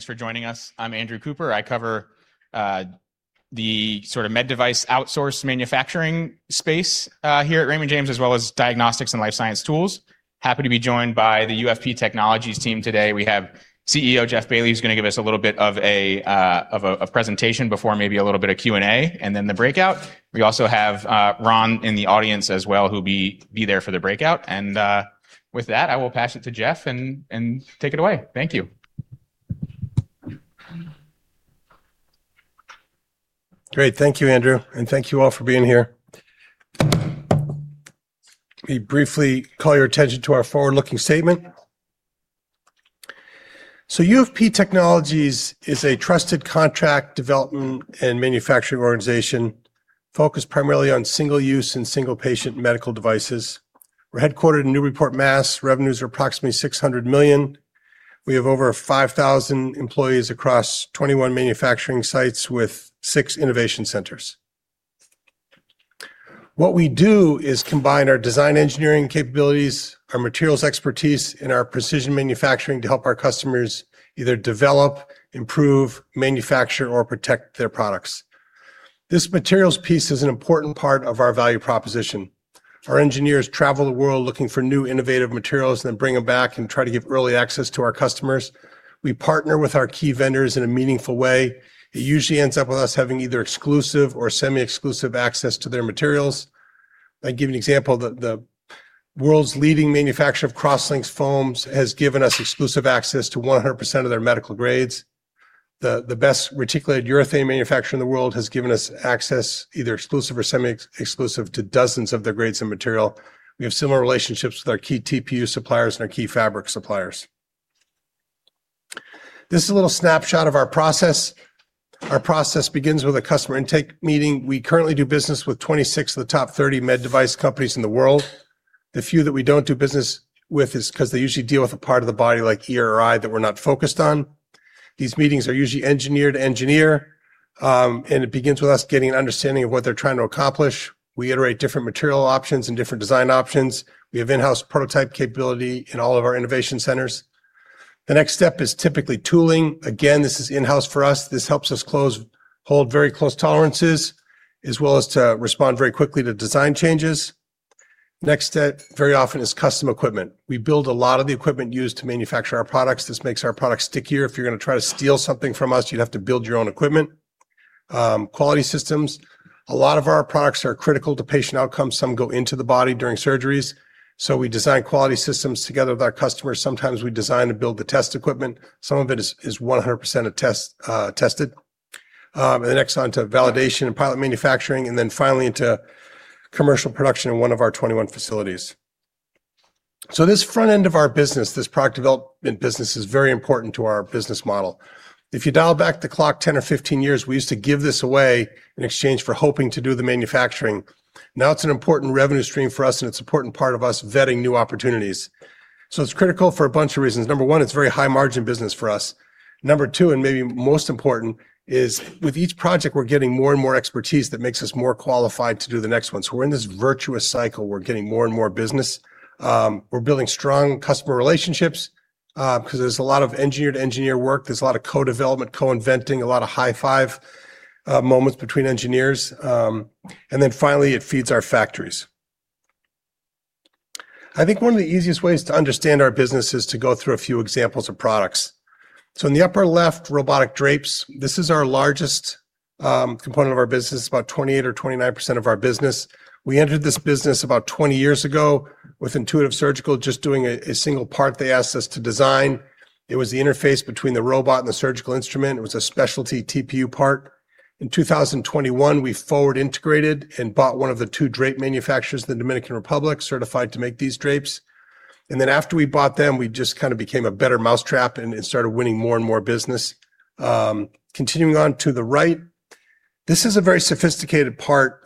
Thanks for joining us. I'm Andrew Cooper. I cover the sort of med device outsource manufacturing space here at Raymond James, as well as diagnostics and life science tools. Happy to be joined by the UFP Technologies team today. We have CEO Jeff Bailly, who's gonna give us a little bit of a presentation before maybe a little bit of Q&A, and then the breakout. We also have Ron in the audience as well, who'll be there for the breakout. With that, I will pass it to Jeff, and take it away. Thank you. Great. Thank you, Andrew, and thank you all for being here. Let me briefly call your attention to our forward-looking statement. UFP Technologies is a trusted contract development and manufacturing organization focused primarily on single-use and single-patient medical devices. We're headquartered in Newburyport, Mass. Revenues are approximately $600 million. We have over 5,000 employees across 21 manufacturing sites with 6 innovation centers. What we do is combine our design engineering capabilities, our materials expertise, and our precision manufacturing to help our customers either develop, improve, manufacture, or protect their products. This materials piece is an important part of our value proposition. Our engineers travel the world looking for new innovative materials, then bring them back and try to give early access to our customers. We partner with our key vendors in a meaningful way. It usually ends up with us having either exclusive or semi-exclusive access to their materials. I'll give you an example. The world's leading manufacturer of cross-linked foams has given us exclusive access to 100% of their medical grades. The best reticulated urethane manufacturer in the world has given us access, either exclusive or semi-exclusive, to dozens of their grades of material. We have similar relationships with our key TPU suppliers and our key fabric suppliers. This is a little snapshot of our process. Our process begins with a customer intake meeting. We currently do business with 26 of the top 30 med device companies in the world. The few that we don't do business with is because they usually deal with a part of the body like ear or eye that we're not focused on. These meetings are usually engineer to engineer. It begins with us getting an understanding of what they're trying to accomplish. We iterate different material options and different design options. We have in-house prototype capability in all of our innovation centers. The next step is typically tooling. Again, this is in-house for us. This helps us hold very close tolerances, as well as to respond very quickly to design changes. Next step very often is custom equipment. We build a lot of the equipment used to manufacture our products. This makes our products stickier. If you're gonna try to steal something from us, you'd have to build your own equipment. Quality systems, a lot of our products are critical to patient outcomes. Some go into the body during surgeries, so we design quality systems together with our customers. Sometimes we design and build the test equipment. Some of it is 100% tested. Next on to validation and pilot manufacturing, and then finally into commercial production in one of our 21 facilities. This front end of our business, this product development business, is very important to our business model. If you dial back the clock 10 or 15 years, we used to give this away in exchange for hoping to do the manufacturing. Now it's an important revenue stream for us, and it's an important part of us vetting new opportunities. It's critical for a bunch of reasons. Number one, it's very high margin business for us. Number two, and maybe most important is with each project, we're getting more and more expertise that makes us more qualified to do the next one. We're in this virtuous cycle. We're getting more and more business. We're building strong customer relationships because there's a lot of engineer-to-engineer work. There's a lot of co-development, co-inventing, a lot of high five moments between engineers. Finally, it feeds our factories. I think one of the easiest ways to understand our business is to go through a few examples of products. In the upper left, robotic drapes, this is our largest component of our business, about 28% or 29% of our business. We entered this business about 20 years ago with Intuitive Surgical just doing a single part they asked us to design. It was the interface between the robot and the surgical instrument. It was a specialty TPU part. In 2021, we forward integrated and bought one of the two drape manufacturers in the Dominican Republic certified to make these drapes. After we bought them, we just kinda became a better mousetrap and started winning more and more business. Continuing on to the right, this is a very sophisticated part.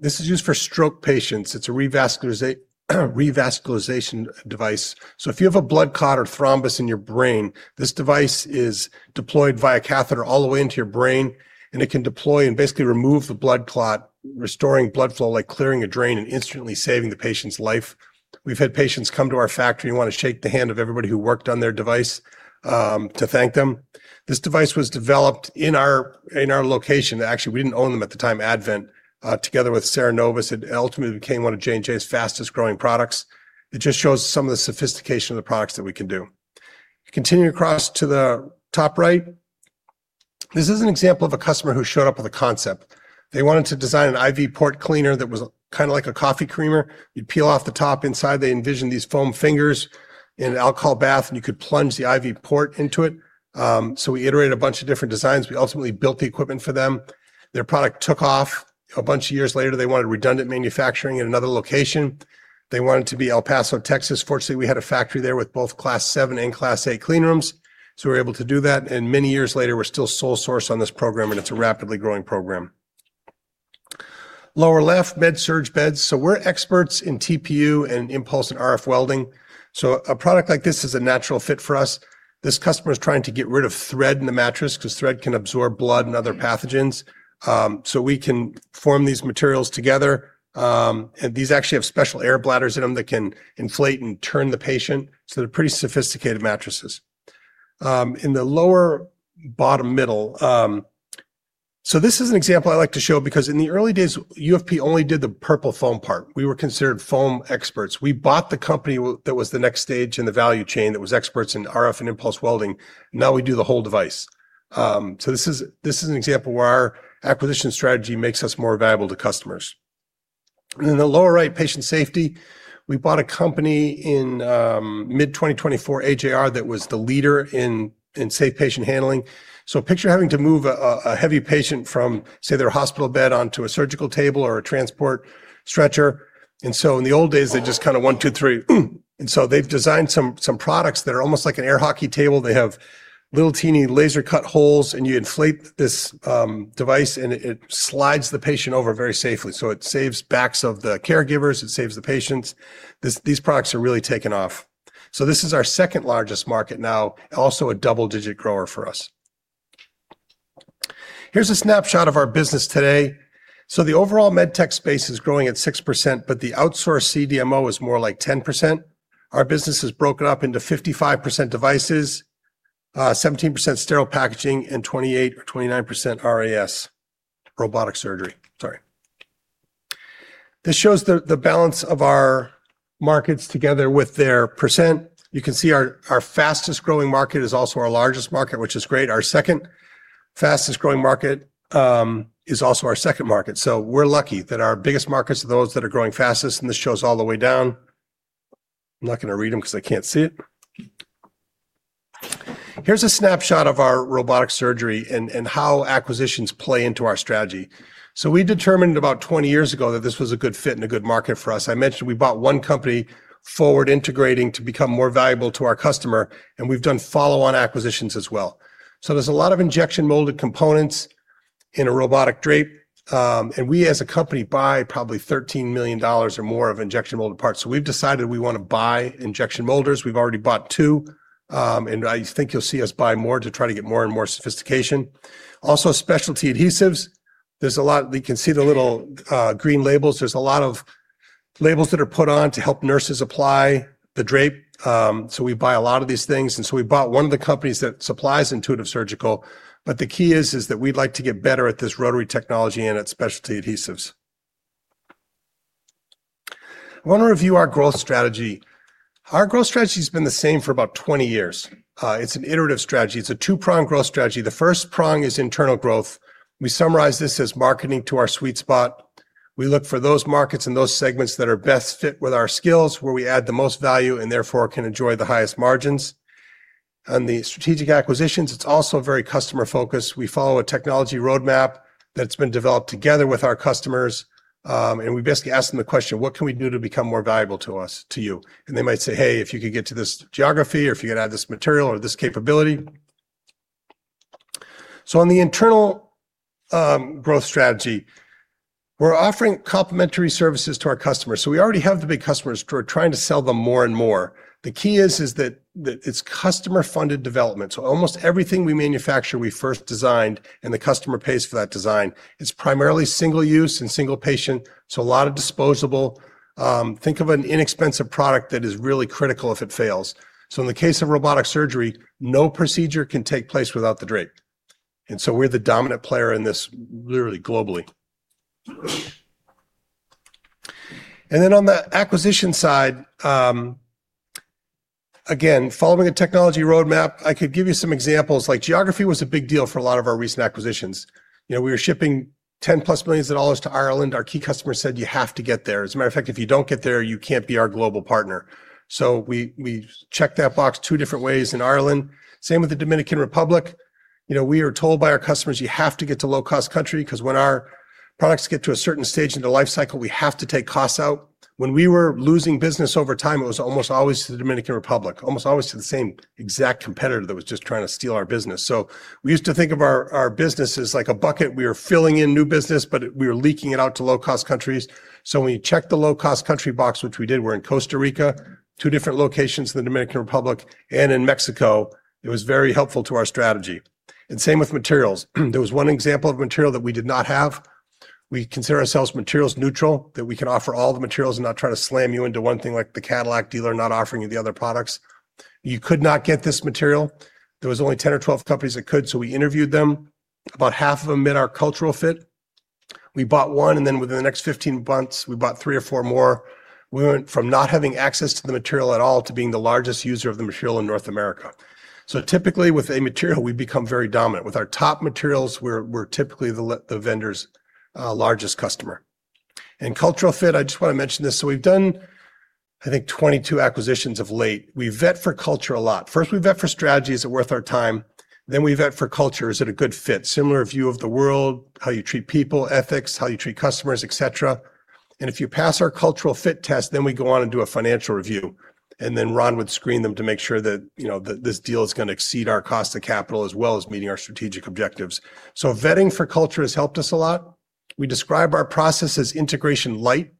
This is used for stroke patients. It's a Revascularization device. If you have a blood clot or thrombus in your brain, this device is deployed via catheter all the way into your brain, and it can deploy and basically remove the blood clot, restoring blood flow like clearing a drain and instantly saving the patient's life. We've had patients come to our factory and want to shake the hand of everybody who worked on their device to thank them. This device was developed in our location. Actually, we didn't own them at the time. Advant, together with CERENOVUS, it ultimately became one of J&J's fastest-growing products. It just shows some of the sophistication of the products that we can do. Continue across to the top right. This is an example of a customer who showed up with a concept. They wanted to design an IV port cleaner that was kind of like a coffee creamer. You'd peel off the top inside. They envisioned these foam fingers in an alcohol bath, and you could plunge the IV port into it. So we iterated a bunch of different designs. We ultimately built the equipment for them. Their product took off. A bunch of years later, they wanted redundant manufacturing in another location. They wanted to be El Paso, Texas. Fortunately, we had a factory there with both Class 7 and Class 8 clean rooms, so we were able to do that. Many years later, we're still sole source on this program, and it's a rapidly growing program. Lower left, med surg beds. We're experts in TPU and impulse and RF welding, so a product like this is a natural fit for us. This customer is trying to get rid of thread in the mattress because thread can absorb blood and other pathogens. So we can form these materials together, and these actually have special air bladders in them that can inflate and turn the patient, so they're pretty sophisticated mattresses. In the lower bottom middle, this is an example I like to show because in the early days, UFP only did the purple foam part. We were considered foam experts. We bought the company that was the next stage in the value chain that was experts in RF and impulse welding. Now we do the whole device. This is an example where our acquisition strategy makes us more valuable to customers. In the lower right, patient safety. We bought a company in mid-2024, AJR, that was the leader in safe patient handling. Picture having to move a heavy patient from, say, their hospital bed onto a surgical table or a transport stretcher. In the old days, they just kind of one, two, three. They've designed some products that are almost like an air hockey table. They have little teeny laser-cut holes, and you inflate this device, and it slides the patient over very safely. It saves backs of the caregivers, it saves the patients. These products are really taking off. This is our second largest market now, also a double-digit grower for us. Here's a snapshot of our business today. The overall MedTech space is growing at 6%, but the outsourced CDMO is more like 10%. Our business is broken up into 55% devices, 17% sterile packaging, and 28% or 29% RAS. Robotic surgery, sorry. This shows the balance of our markets together with their %. You can see our fastest-growing market is also our largest market, which is great. Our second fastest-growing market is also our second market. We're lucky that our biggest markets are those that are growing fastest, and this shows all the way down. I'm not gonna read them 'cause I can't see it. Here's a snapshot of our robotic surgery and how acquisitions play into our strategy. We determined about 20 years ago that this was a good fit and a good market for us. I mentioned we bought one company forward integrating to become more valuable to our customer, and we've done follow-on acquisitions as well. There's a lot of injection molded components in a robotic drape, and we as a company buy probably $13 million or more of injection molded parts. We've decided we wanna buy injection molders. We've already bought 2, and I think you'll see us buy more to try to get more and more sophistication. Specialty adhesives. You can see the little green labels. There's a lot of labels that are put on to help nurses apply the drape. We buy a lot of these things. We bought one of the companies that supplies Intuitive Surgical, but the key is that we'd like to get better at this rotary technology and at specialty adhesives. I wanna review our growth strategy. Our growth strategy's been the same for about 20 years. It's an iterative strategy. It's a two-pronged growth strategy. The first prong is internal growth. We summarize this as marketing to our sweet spot. We look for those markets and those segments that are best fit with our skills, where we add the most value, and therefore can enjoy the highest margins. On the strategic acquisitions, it's also very customer-focused. We follow a technology roadmap that's been developed together with our customers, we basically ask them the question, What can we do to become more valuable to you? They might say, Hey, if you could get to this geography, or if you could add this material or this capability. On the internal growth strategy, we're offering complimentary services to our customers. We already have the big customers. We're trying to sell them more and more. The key is that it's customer-funded development. Almost everything we manufacture we first designed, and the customer pays for that design. It's primarily single use and single patient, so a lot of disposable. Think of an inexpensive product that is really critical if it fails. In the case of robotic surgery, no procedure can take place without the drape. We're the dominant player in this literally globally. On the acquisition side, again, following a technology roadmap, I could give you some examples. Like, geography was a big deal for a lot of our recent acquisitions. You know, we were shipping $10+ million to Ireland. Our key customer said, You have to get there. As a matter of fact, if you don't get there, you can't be our global partner. We checked that box two different ways in Ireland. Same with the Dominican Republic. You know, we are told by our customers, You have to get to low-cost country because when our products get to a certain stage in the life cycle, we have to take costs out. When we were losing business over time, it was almost always to the Dominican Republic, almost always to the same exact competitor that was just trying to steal our business. We used to think of our business as like a bucket. We were filling in new business, but we were leaking it out to low-cost countries. When you check the low-cost country box, which we did, we're in Costa Rica, two different locations in the Dominican Republic, and in Mexico, it was very helpful to our strategy. Same with materials. There was one example of material that we did not have. We consider ourselves materials neutral, that we can offer all the materials and not try to slam you into one thing like the Cadillac dealer not offering you the other products. You could not get this material. There was only 10 or 12 companies that could, so we interviewed them. About half of them met our cultural fit. We bought one, and then within the next 15 months, we bought three or four more. We went from not having access to the material at all to being the largest user of the material in North America. Typically, with a material, we become very dominant. With our top materials, we're typically the vendor's largest customer. Cultural fit, I just wanna mention this. We've done, I think, 22 acquisitions of late. We vet for culture a lot. First, we vet for strategy. Is it worth our time? We vet for culture. Is it a good fit? Similar view of the world, how you treat people, ethics, how you treat customers, et cetera. If you pass our cultural fit test, we go on and do a financial review. Ron would screen them to make sure that, you know, this deal is gonna exceed our cost of capital as well as meeting our strategic objectives. Vetting for culture has helped us a lot. We describe our process as integration light.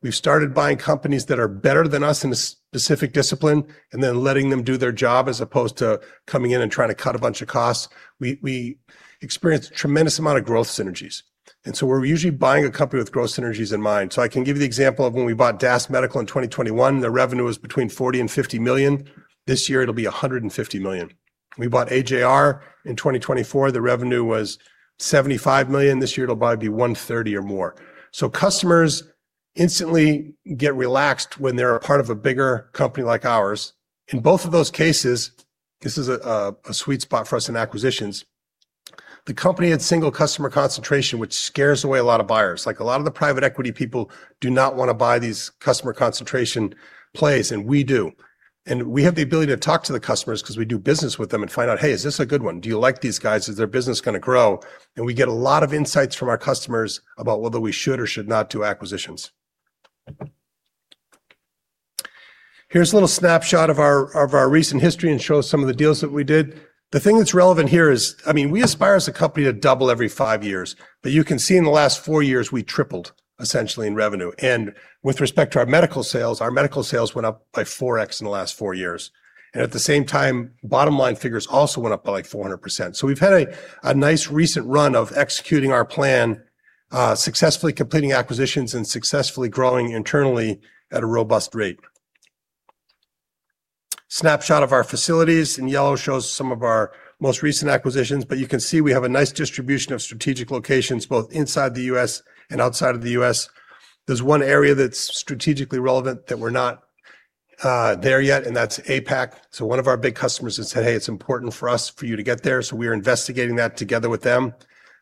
We've started buying companies that are better than us in a specific discipline and then letting them do their job as opposed to coming in and trying to cut a bunch of costs. We experienced a tremendous amount of growth synergies. We're usually buying a company with growth synergies in mind. I can give you the example of when we bought DAS Medical in 2021, their revenue was between $40 million-$50 million. This year, it'll be $150 million. When we bought AJR in 2024, the revenue was $75 million. This year, it'll probably be $130 million or more. Customers instantly get relaxed when they're a part of a bigger company like ours. In both of those cases, this is a sweet spot for us in acquisitions, the company had single customer concentration, which scares away a lot of buyers. Like a lot of the private equity people do not wanna buy these customer concentration plays, and we do. We have the ability to talk to the customers because we do business with them and find out, Hey, is this a good one? Do you like these guys? Is their business gonna grow? We get a lot of insights from our customers about whether we should or should not do acquisitions. Here's a little snapshot of our recent history and shows some of the deals that we did. The thing that's relevant here is, I mean, we aspire as a company to double every five years. You can see in the last four years, we tripled essentially in revenue. With respect to our medical sales, our medical sales went up by 4x in the last four years. At the same time, bottom line figures also went up by like 400%. We've had a nice recent run of executing our plan, successfully completing acquisitions and successfully growing internally at a robust rate. Snapshot of our facilities in yellow shows some of our most recent acquisitions, but you can see we have a nice distribution of strategic locations, both inside the US and outside of the US. There's one area that's strategically relevant that we're not there yet, and that's APAC. One of our big customers has said, Hey, it's important for us for you to get there. We are investigating that together with them.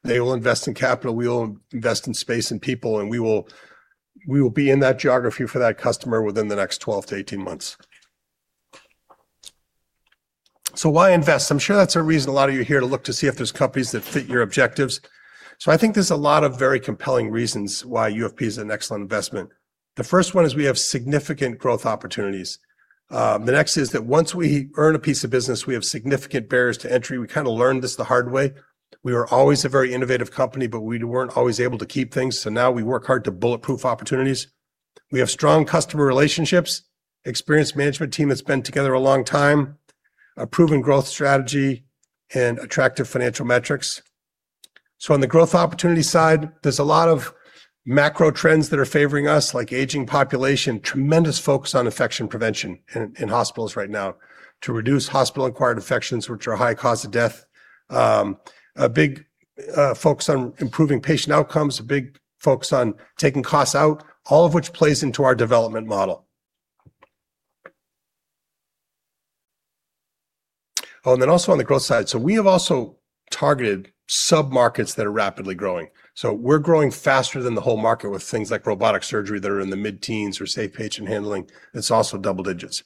They will invest in capital, we will invest in space and people, and we will be in that geography for that customer within the next 12-18 months. Why invest? I'm sure that's a reason a lot of you are here to look to see if there's companies that fit your objectives. I think there's a lot of very compelling reasons why UFP is an excellent investment. The first one is we have significant growth opportunities. The next is that once we earn a piece of business, we have significant barriers to entry. We kinda learned this the hard way. We were always a very innovative company, but we weren't always able to keep things. Now we work hard to bulletproof opportunities. We have strong customer relationships, experienced management team that's been together a long time, a proven growth strategy, and attractive financial metrics. On the growth opportunity side, there's a lot of macro trends that are favoring us, like aging population, tremendous focus on infection prevention in hospitals right now to reduce Hospital-acquired infections, which are a high cause of death. A big focus on improving patient outcomes, a big focus on taking costs out, all of which plays into our development model. Also on the growth side, we have also targeted sub-markets that are rapidly growing. We're growing faster than the whole market with things like robotic surgery that are in the mid-teens or safe patient handling that's also double digits.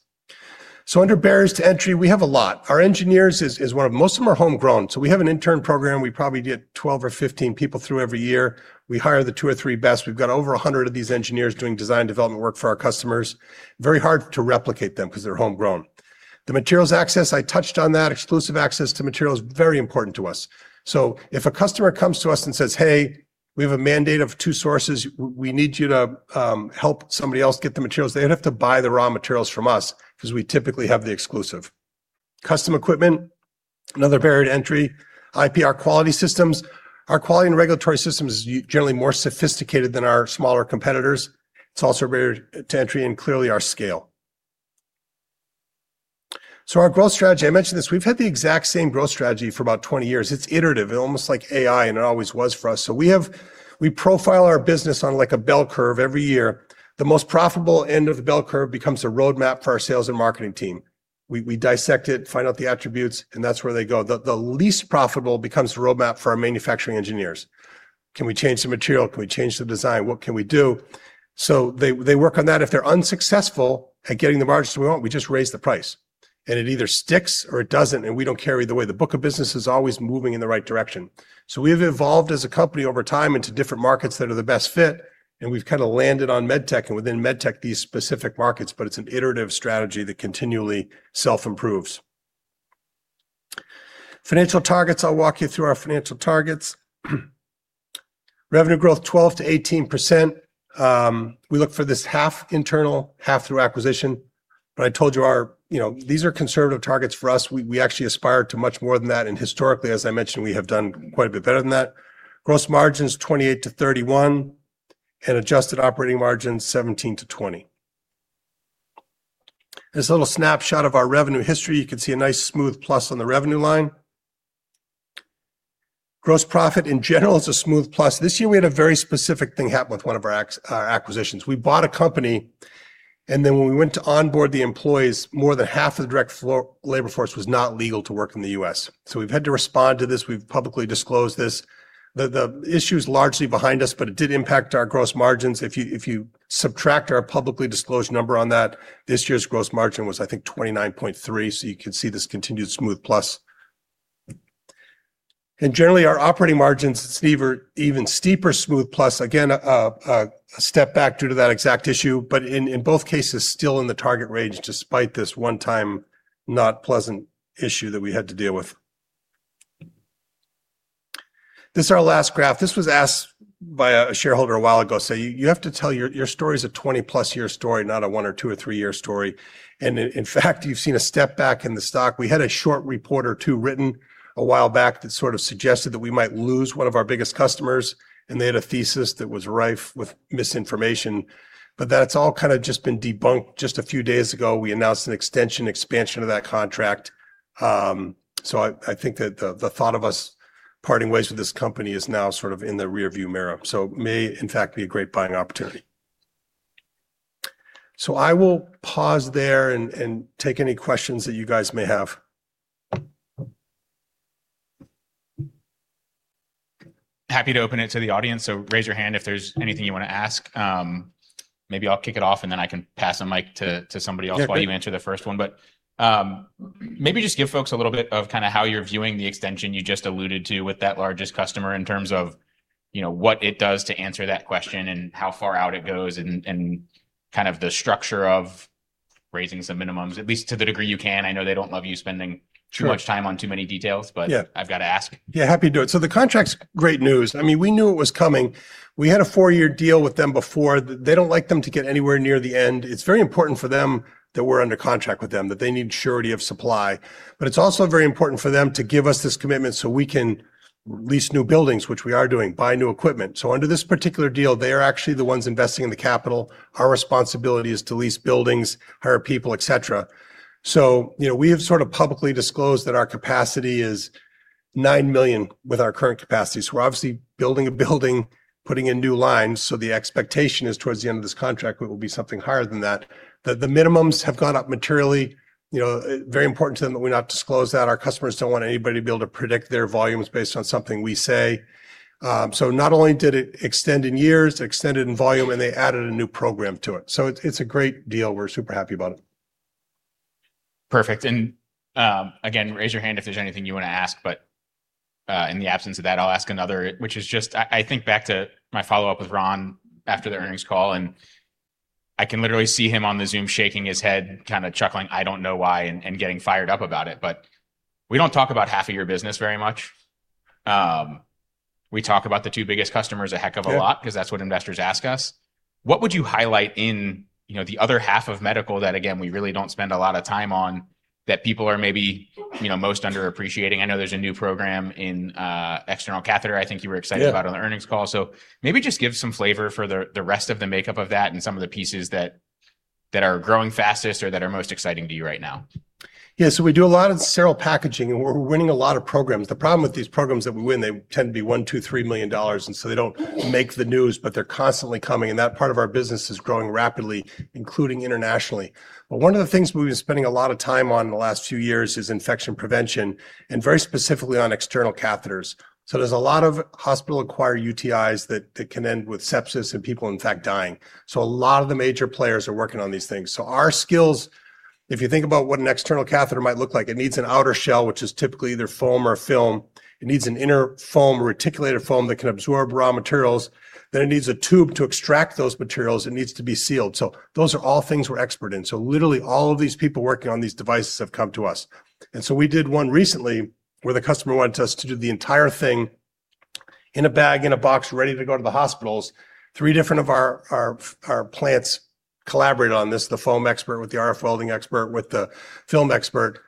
Under barriers to entry, we have a lot. Our engineers is one of. Most of them are homegrown. We have an intern program. We probably get 12 or 15 people through every year. We hire the 2 or 3 best. We've got over 100 of these engineers doing design development work for our customers. Very hard to replicate them because they're homegrown. The materials access, I touched on that. Exclusive access to material is very important to us. If a customer comes to us and says, Hey, we have a mandate of two sources. We need you to help somebody else get the materials, they'd have to buy the raw materials from us because we typically have the exclusive. Custom equipment, another barrier to entry. IPR quality systems. Our quality and regulatory system is generally more sophisticated than our smaller competitors. It's also a barrier to entry and clearly our scale. Our growth strategy, I mentioned this, we've had the exact same growth strategy for about 20 years. It's iterative, almost like AI, and it always was for us. We profile our business on like a bell curve every year. The most profitable end of the bell curve becomes a roadmap for our sales and marketing team. We dissect it, find out the attributes, and that's where they go. The least profitable becomes the roadmap for our manufacturing engineers. Can we change the material? Can we change the design? What can we do? They work on that. If they're unsuccessful at getting the margins we want, we just raise the price. It either sticks or it doesn't, and we don't carry the weight. The book of business is always moving in the right direction. We've evolved as a company over time into different markets that are the best fit, and we've kinda landed on MedTech, and within MedTech, these specific markets, but it's an iterative strategy that continually self-improves. Financial targets, I'll walk you through our financial targets. Revenue growth, 12%-18%. We look for this half internal, half through acquisition. I told you our. You know, these are conservative targets for us. We actually aspire to much more than that. Historically, as I mentioned, we have done quite a bit better than that. Gross margins, 28%-31%, and adjusted operating margins, 17%-20%. This is a little snapshot of our revenue history. You can see a nice smooth plus on the revenue line. Gross profit, in general, is a smooth plus. This year, we had a very specific thing happen with one of our acquisitions. We bought a company, and then when we went to onboard the employees, more than half of the direct floor labor force was not legal to work in the U.S. We've had to respond to this. We've publicly disclosed this. The issue is largely behind us, but it did impact our gross margins. If you subtract our publicly disclosed number on that, this year's gross margin was, I think, 29.3%, so you can see this continued smooth plus. Generally, our operating margins is even steeper smooth plus. Again, a step back due to that exact issue, but in both cases, still in the target range despite this one-time not pleasant issue that we had to deal with. This is our last graph. This was asked by a shareholder a while ago, so you have to tell, your story's a 20-plus year story, not a one or two or 3 year story. In fact, you've seen a step back in the stock. We had a short report or two written a while back that sort of suggested that we might lose one of our biggest customers, and they had a thesis that was rife with misinformation. That's all kind of just been debunked. Just a few days ago we announced an extension expansion of that contract. I think that the thought of us parting ways with this company is now sort of in the rear view mirror, so may in fact be a great buying opportunity. I will pause there and take any questions that you guys may have. Happy to open it to the audience, so raise your hand if there's anything you wanna ask. Maybe I'll kick it off, and then I can pass a mic to somebody else. Sure... while you answer the first one. Maybe just give folks a little bit of kind of how you're viewing the extension you just alluded to with that largest customer in terms of, you know, what it does to answer that question and how far out it goes and kind of the structure of raising some minimums, at least to the degree you can. I know they don't love you spending too much time. Sure... on too many details, but... Yeah... I've gotta ask. Yeah, happy to do it. The contract's great news. I mean, we knew it was coming. We had a four-year deal with them before. They don't like them to get anywhere near the end. It's very important for them that we're under contract with them, that they need surety of supply. It's also very important for them to give us this commitment so we can lease new buildings, which we are doing, buy new equipment. Under this particular deal, they are actually the ones investing in the capital. Our responsibility is to lease buildings, hire people, et cetera. You know, we have sort of publicly disclosed that our capacity is $9 million with our current capacity. We're obviously building a building, putting in new lines, so the expectation is towards the end of this contract it will be something higher than that. The minimums have gone up materially, you know, very important to them that we not disclose that. Our customers don't want anybody to be able to predict their volumes based on something we say. Not only did it extend in years, it extended in volume, and they added a new program to it. It's, it's a great deal. We're super happy about it. Perfect. Again, raise your hand if there's anything you wanna ask, but in the absence of that, I'll ask another, which is just I think back to my follow-up with Ron after the earnings call, and I can literally see him on the Zoom shaking his head, kind of chuckling, I don't know why, and getting fired up about it. We don't talk about half of your business very much. We talk about the two biggest customers a heck of a lot. Yeah... 'cause that's what investors ask us. What would you highlight in, you know, the other half of medical that, again, we really don't spend a lot of time on that people are maybe, you know, most under-appreciating? I know there's a new program in external catheter I think you were excited about... Yeah... on the earnings call. Maybe just give some flavor for the rest of the makeup of that and some of the pieces that are growing fastest or that are most exciting to you right now. Yeah. We do a lot of Sterile packaging, and we're winning a lot of programs. The problem with these programs that we win, they tend to be $1 million-$3 million, they don't make the news, but they're constantly coming, and that part of our business is growing rapidly, including internationally. One of the things we've been spending a lot of time on in the last few years is infection prevention, very specifically on external catheters. There's a lot of Hospital-acquired UTIs that can end with sepsis and people in fact dying, a lot of the major players are working on these things. Our skills, if you think about what an external catheter might look like, it needs an outer shell, which is typically either foam or film. It needs an inner foam, a reticulated foam that can absorb raw materials. It needs a tube to extract those materials. It needs to be sealed. Those are all things we're expert in. Literally all of these people working on these devices have come to us. We did one recently where the customer wanted us to do the entire thing in a bag, in a box, ready to go to the hospitals. Three different of our plants collaborated on this, the foam expert with the RF welding expert with the film expert.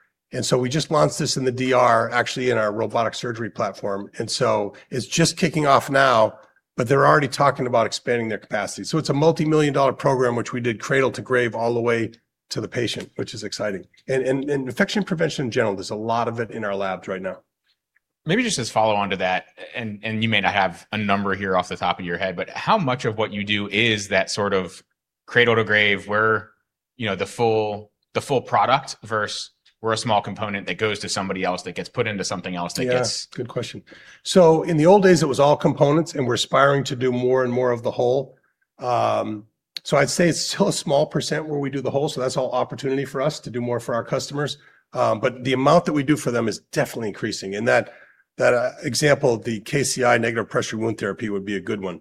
We just launched this in the DR, actually in our robotic surgery platform. It's just kicking off now, but they're already talking about expanding their capacity. It's a multimillion-dollar program which we did cradle to grave all the way to the patient, which is exciting. Infection prevention in general, there's a lot of it in our labs right now. Maybe just as follow-on to that, and you may not have a number here off the top of your head, but how much of what you do is that sort of cradle to grave where, you know, the full, the full product versus we're a small component that goes to somebody else that gets put into something else? Yeah. Good question. In the old days it was all components, and we're aspiring to do more and more of the whole. I'd say it's still a small % where we do the whole, so that's all opportunity for us to do more for our customers. The amount that we do for them is definitely increasing. That, that example, the KCI Negative Pressure Wound Therapy would be a good one.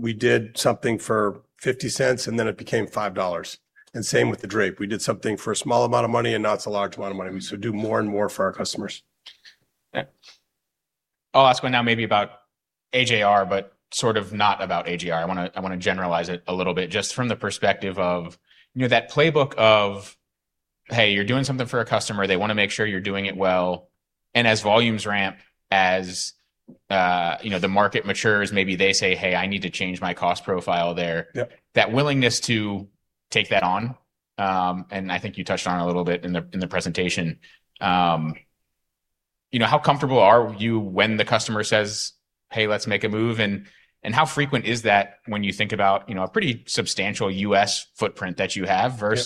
We did something for $0.50, and then it became $5.00. Same with the drape. We did something for a small amount of money, and now it's a large amount of money. We still do more and more for our customers. Yeah. I'll ask one now maybe about AJR, but sort of not about AJR. I wanna generalize it a little bit just from the perspective of, you know, that playbook of, hey, you're doing something for a customer, they wanna make sure you're doing it well, and as volumes ramp, as, you know, the market matures, maybe they say, Hey, I need to change my cost profile there. Yep. That willingness to take that on, and I think you touched on it a little bit in the presentation, you know, how comfortable are you when the customer says, Hey, let's make a move, and how frequent is that when you think about, you know, a pretty substantial U.S. footprint that you have? Yep...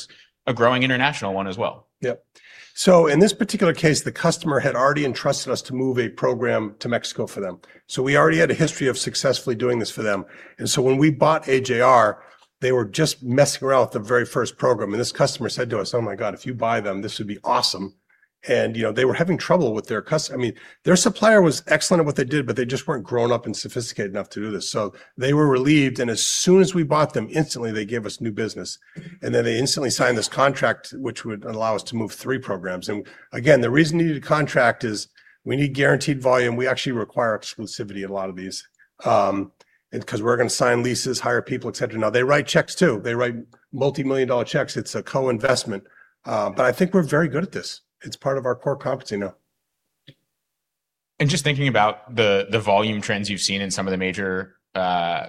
a growing international one as well? Yep. In this particular case, the customer had already entrusted us to move a program to Mexico for them, so we already had a history of successfully doing this for them. When we bought AJR, they were just messing around with the very first program, and this customer said to us, Oh my God, if you buy them, this would be awesome. You know, I mean, their supplier was excellent at what they did, but they just weren't grown up and sophisticated enough to do this. They were relieved, and as soon as we bought them, instantly they gave us new business. They instantly signed this contract which would allow us to move 3 programs. Again, the reason you need a contract is we need guaranteed volume. We actually require exclusivity in a lot of these. 'Cause we're gonna sign leases, hire people, et cetera. Now they write checks too. They write multimillion-dollar checks. It's a co-investment, but I think we're very good at this. It's part of our core competency now. Just thinking about the volume trends you've seen in some of the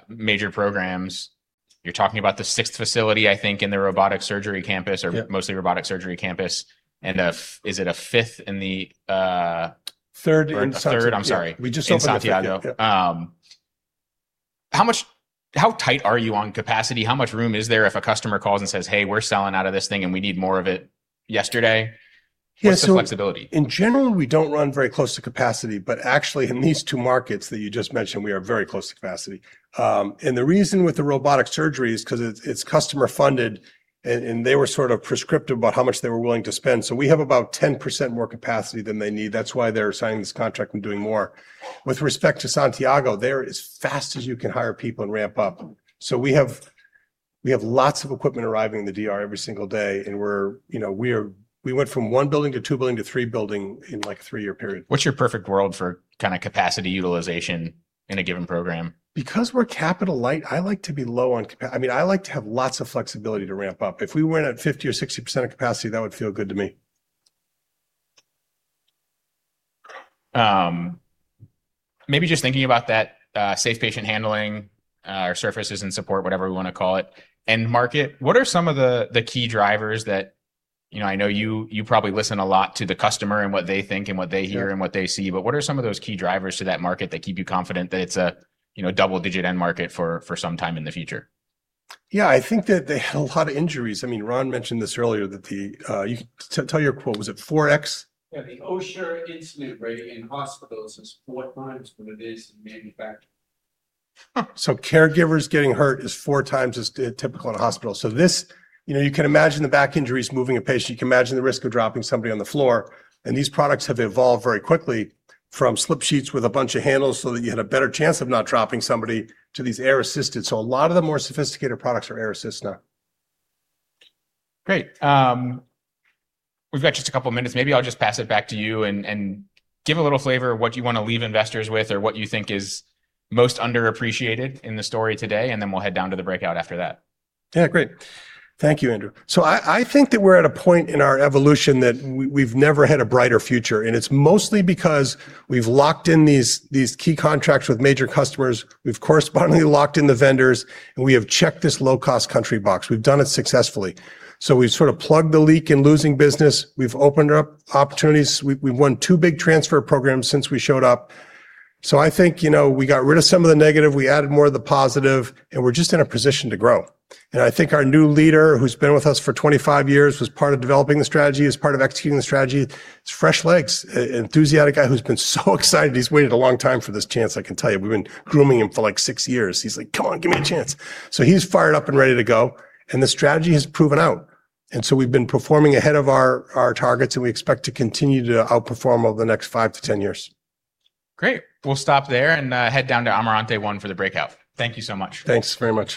major programs, you're talking about the sixth facility, I think, in the robotic surgery campus. Yeah or mostly robotic surgery campus. Yeah. Is it a fifth in the? Third in Santiago.... or third, I'm sorry. We just opened up the third. In Santiago. Yeah. Yeah. How tight are you on capacity? How much room is there if a customer calls and says, Hey, we're selling out of this thing and we need more of it yesterday? Yeah. What's the flexibility? In general, we don't run very close to capacity. Actually in these two markets that you just mentioned, we are very close to capacity. The reason with the robotic surgery is 'cause it's customer funded and they were sort of prescriptive about how much they were willing to spend. We have about 10% more capacity than they need. That's why they're signing this contract and doing more. With respect to Santiago, they're as fast as you can hire people and ramp up. We have lots of equipment arriving in the DR every single day and we're, you know, we are. We went from one building to two buildings to three buildings in, like, a three-year period. What's your perfect world for kinda capacity utilization in a given program? Because we're capital light, I mean, I like to have lots of flexibility to ramp up. If we were in at 50 or 60% of capacity, that would feel good to me. Maybe just thinking about that, safe patient handling, or surfaces and support, whatever we wanna call it, end market, what are some of the key drivers that... You know, I know you probably listen a lot to the customer and what they think and what they hear... Sure... and what they see, but what are some of those key drivers to that market that keep you confident that it's a, you know, double-digit end market for some time in the future? I think that they have a lot of injuries. I mean, Ron mentioned this earlier that the... You tell your quote. Was it 4x? Yeah, the OSHA incident rate in hospitals is four times what it is in manufacturing. Huh. Caregivers getting hurt is 4 times as typical in a hospital. This, you know, you can imagine the back injuries moving a patient, you can imagine the risk of dropping somebody on the floor, and these products have evolved very quickly from slip sheets with a bunch of handles so that you had a better chance of not dropping somebody to these air-assisted. A lot of the more sophisticated products are air assist now. Great. We've got just a couple minutes. Maybe I'll just pass it back to you and give a little flavor of what you wanna leave investors with or what you think is most underappreciated in the story today, and then we'll head down to the breakout after that. Yeah, great. Thank you, Andrew. I think that we're at a point in our evolution that we've never had a brighter future. It's mostly because we've locked in these key contracts with major customers, we've correspondingly locked in the vendors, we have checked this low-cost country box. We've done it successfully. We've sort of plugged the leak in losing business. We've opened up opportunities. We've won two big transfer programs since we showed up. I think, you know, we got rid of some of the negative, we added more of the positive. We're just in a position to grow. I think our new leader, who's been with us for 25 years, was part of developing the strategy, is part of executing the strategy. It's fresh legs, a enthusiastic guy who's been so excited. He's waited a long time for this chance, I can tell you. We've been grooming him for, like, six years. He's like, Come on, give me a chance. He's fired up and ready to go. The strategy has proven out. We've been performing ahead of our targets. We expect to continue to outperform over the next 5-10 years. Great. We'll stop there and head down to Amarante One for the breakout. Thank you so much. Thanks very much.